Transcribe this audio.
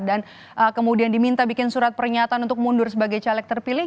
dan kemudian diminta bikin surat pernyataan untuk mundur sebagai caleg terpilih